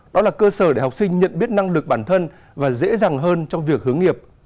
đó là cơ sở để học sinh nhận biết năng lực bản thân và dễ dàng hơn trong việc hướng nghiệp